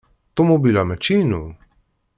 Ṭumubil-a mačči inu.